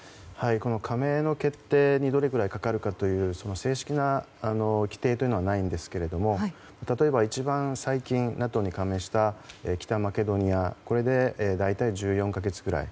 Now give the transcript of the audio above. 加盟の決定にどれくらいかかるかという正式な規定はないんですけども例えば、一番最近ＮＡＴＯに加盟した北マケドニアこれで大体１４か月ぐらい。